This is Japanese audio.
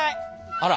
あら。